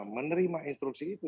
menerima instruksi itu